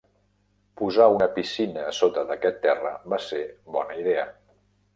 Posar una piscina a sota d'aquest terra va ser bona idea.